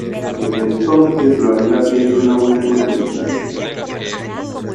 Desde entonces, la unidad ha tenido una buena imagen pública.